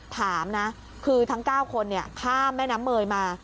ถามนะคือทั้ง๙คนข้ามแม่น้ำเมยมา